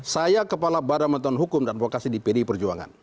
saya kepala baramaton hukum dan vokasi di pdi perjuangan